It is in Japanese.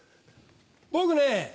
僕ね